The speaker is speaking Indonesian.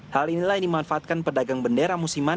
hal inilah yang dimanfaatkan pedagang bendera musiman